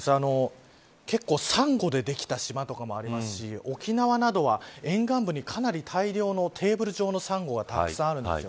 結構、サンゴでできた島とかもありますし沖縄などは沿岸部にかなり大量のテーブル上のサンゴがたくさんあるんです。